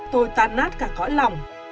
tôi tan nát cả cõi lòng